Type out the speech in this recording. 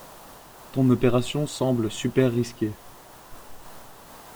Ton opération semble super risquée.